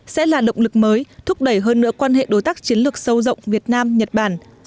sẽ là động lực mới thúc đẩy hơn nữa quan hệ đối tác chiến lược sâu rộng việt nam nhật bản